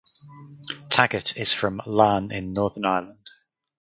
Taggart is from Larne in Northern Ireland.